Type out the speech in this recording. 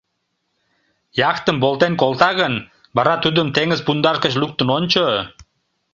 Яхтым волтен колта гын, вара тудым теҥыз пундаш гыч луктын ончо.